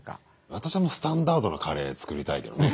私はもうスタンダードなカレー作りたいけどね。